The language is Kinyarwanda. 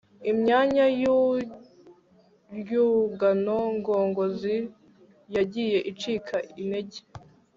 Imyanya yurwungano ngogozi yagiye icika intege